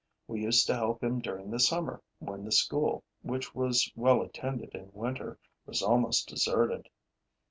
We used to help him during the summer, when the school, which was well attended in winter, was almost deserted.